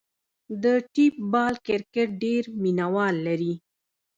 د ټیپ بال کرکټ ډېر مینه وال لري.